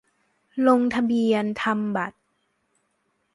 - ลงทะเบียนทำบัตร